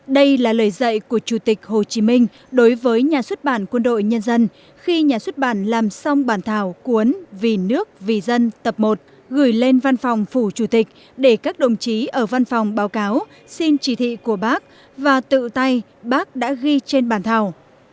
đây là lời dạy của chủ tịch hồ chí minh đối với nhà xuất bản quân đội nhân dân khi nhà xuất bản làm xong bản thảo cuốn vì nước vì dân tập một gửi lên văn phòng phủ chủ tịch để các đồng chí ở văn phòng báo cáo xin chỉ thị của bác và tự tay bác đã ghi trên bàn thảo